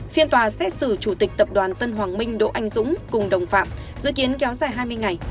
phiên tòa xét xử chủ tịch tập đoàn tân hoàng minh đỗ anh dũng cùng đồng phạm dự kiến kéo dài hai mươi ngày